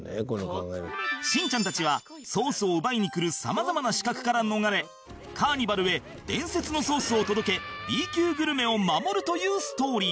しんちゃんたちはソースを奪いにくる様々な刺客から逃れカーニバルへ伝説のソースを届け Ｂ 級グルメを守るというストーリー